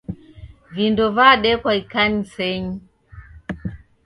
Vindo vadekwa ikanisenyi